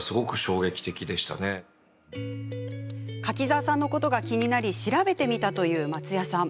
柿澤さんのことが気になり調べてみたという松也さん。